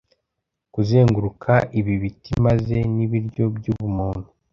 Kuzenguruka ibi biti maze, nibiryo byubumuntu